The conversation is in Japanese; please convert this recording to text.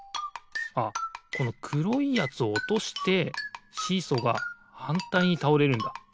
あっこのくろいやつをおとしてシーソーがはんたいにたおれるんだ。